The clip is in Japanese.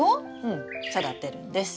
うん育てるんです。